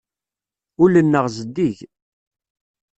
Ul-nneɣ zeddig.